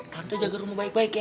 kantor jaga rumah baik baik ya